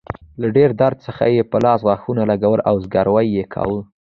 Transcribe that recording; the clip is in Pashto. له ډیر درد څخه يې په لاس غاښونه لګول او زګیروی يې کاوه.